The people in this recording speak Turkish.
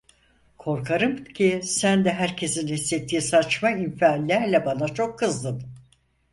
Korkarım ki sen de herkesin hissettiği saçma infiallerle bana çok kızdın…